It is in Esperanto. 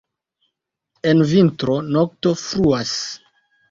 En vintro, nokto fruas.